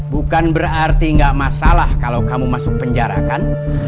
bukan berarti nggak masalah kalau kamu masuk penjara kan